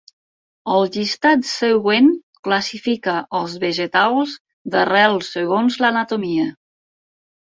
El llistat següent classifica els vegetals d'arrel segons l'anatomia.